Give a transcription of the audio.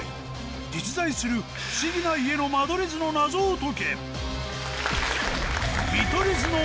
実在する不思議な家の間取り図の謎を解け！